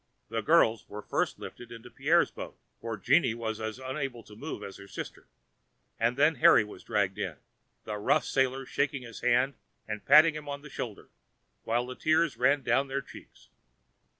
The girls were first lifted into Pierre's boat, for Jeanne was as unable to move as her sister; then Harry was dragged in, the rough sailors shaking his hand and patting him on the shoulder, while the tears ran down their cheeks.